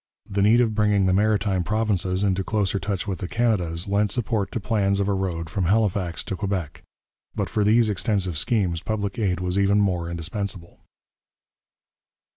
The need of bringing the Maritime Provinces into closer touch with the Canadas lent support to plans of a road from Halifax to Quebec. But for these extensive schemes public aid was even more indispensable.